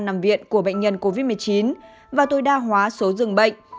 hàn quốc đang xem xét cắt giảm thời gian nằm viện của bệnh nhân covid một mươi chín và tối đa hóa số dường bệnh